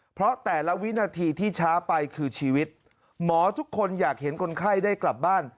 เพราะแต่ละวินาทีที่ช้าไปคือชีวิตหมอทุกคนอยากเห็นคนไข้ได้กลับบ้าน